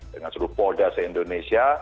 dengan seluruh polda se indonesia